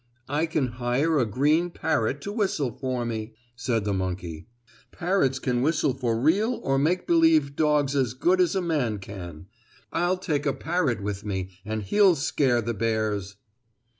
"I can hire a green parrot to whistle for me," said the monkey. "Parrots can whistle for real or make believe dogs as good as a man can. I'll take a parrot with me, and he'll scare the bears."